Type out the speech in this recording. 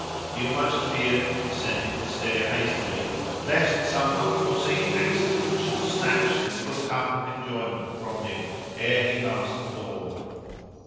He almost feared, descending the stair hastily, lest some unforeseen accident should snatch the little cup of enjoyment from him ere he passed the door.